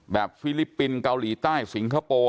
ฟิลิปปินส์เกาหลีใต้สิงคโปร์